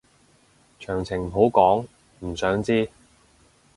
詳情唔好講，唔想知